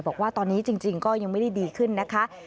บอกว่าตอนนี้จริงก็ยังไม่ได้ดีขึ้นนะคะ